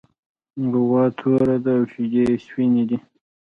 غوا توره ده او شیدې یې سپینې دي.